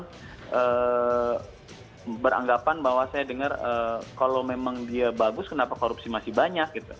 saya beranggapan bahwa saya dengar kalau memang dia bagus kenapa korupsi masih banyak gitu